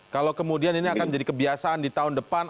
kalau kemudian ini akan menjadi kebiasaan di tahun depan